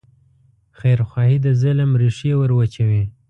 خیرخواهي د ظلم ریښې وروچوي.